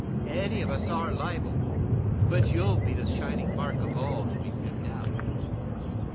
Any of us are liable, but you'll be the shining mark of all to be picked out."